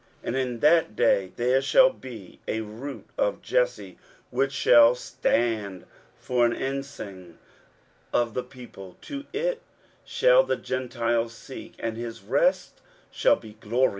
23:011:010 And in that day there shall be a root of Jesse, which shall stand for an ensign of the people; to it shall the Gentiles seek: and his rest shall be glorious.